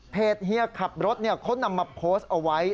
เฮียขับรถเขานำมาโพสต์เอาไว้